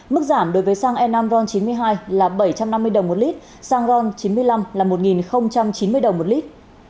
mức giảm đối với xăng e năm ron chín mươi hai là bảy trăm năm mươi đồng một lít xăng ron chín mươi năm là một chín mươi đồng một lít